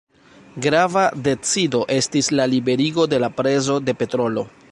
Grava decido estis la liberigo de la prezo de petrolo.